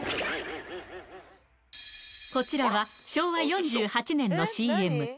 こちらは昭和４８年のＣＭ。